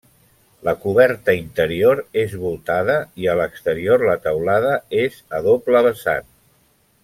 La coberta interior és voltada i a l'exterior la teulada és a doble vessant.